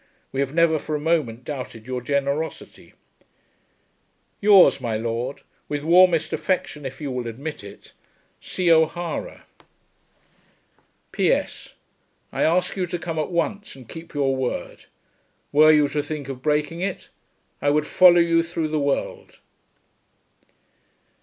We have never for a moment doubted your generosity. Yours, My Lord, With warmest affection, if you will admit it, C. O'HARA. P.S. I ask you to come at once and keep your word. Were you to think of breaking it, I would follow you through the world.